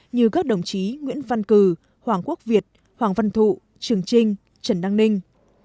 như các đồng chí nguyễn văn cử hoàng quốc việt hoàng văn thụ trường trinh trần đăng ninh